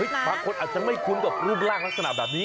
บางคนอาจจะไม่คุ้นกับรูปร่างลักษณะแบบนี้